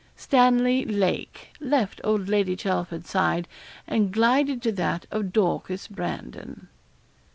Stanley Lake left old Lady Chelford's side, and glided to that of Dorcas Brandon.